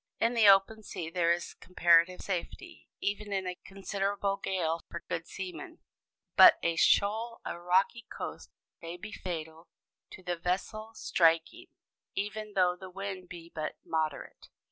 In the open sea there is comparative safety, even in a considerable gale, for good seamen; but a shoal or rocky coast may be fatal to the vessel striking, even though the wind be but moderate.